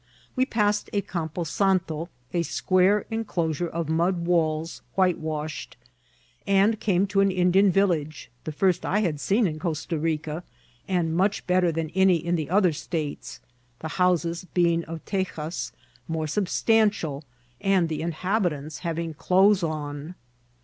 We passed a Campo Santo, a square enclosure of mud walls whitewashed, and came to an Indian vil lage, the first I had seen in Costa Rica, and much better than any in the other states, the houses being of tejas, more substantial, and the inhabitants having clothes on.